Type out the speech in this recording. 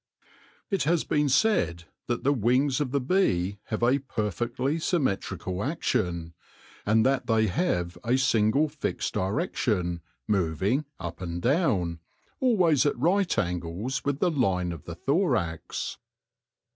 It has been said that the wings of the bee have a perfectly symmetrical action, and that they have a single fixed direction, moving up and down, always at right angles with the line of the thorax.